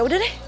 ya udah deh